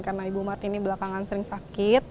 karena ibu martini belakangan sering sakit